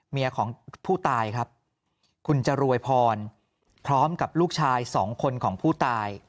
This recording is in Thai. เมียของผู้ตายครับคุณจรวยพรพร้อมกับลูกชายสองคนของผู้ตาย